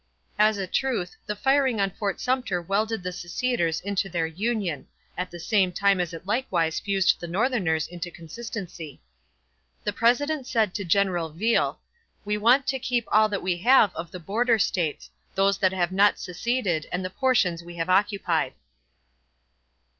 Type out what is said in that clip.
As a truth, the firing on Fort Sumter welded the seceders into their Union; at the same time as it likewise fused the Northerners into consistency. The President said to General Viele: "We want to keep all that we have of the Border States those that have not seceded and the portions we have occupied."